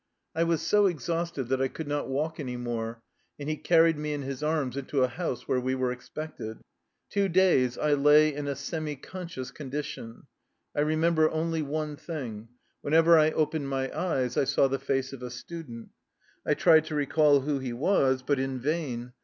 I was so exhausted that I could not walk any more, and he carried me in his arms into a house where we were expected. Two days I lay in a semi conscious condition. I re member only one thing: whenever I opened my eyes, I saw the face of a student. I tried to recall who he was, but in vain.